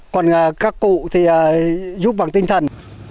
còn các cụ thì giúp bằng tinh thần